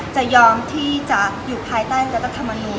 จะยอมที่จะอยู่ภายใต้รัฐธรรมนูล